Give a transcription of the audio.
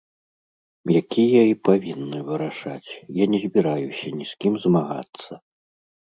Якія і павінны вырашаць, я не збіраюся ні з кім змагацца.